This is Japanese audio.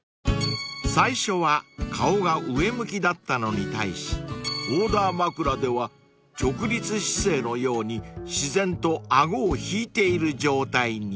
［最初は顔が上向きだったのに対しオーダー枕では直立姿勢のように自然と顎を引いている状態に］